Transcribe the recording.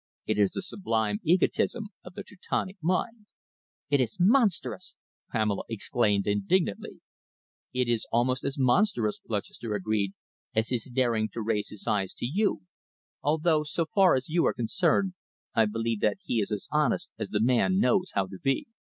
It is the sublime egotism of the Teutonic mind." "It is monstrous!" Pamela exclaimed indignantly. "It is almost as monstrous," Lutchester agreed, "as his daring to raise his eyes to you, although, so far as you are concerned, I believe that he is as honest as the man knows how to be."